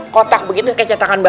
kotak begitu kayak cetakan